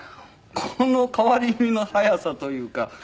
この変わり身の早さというか。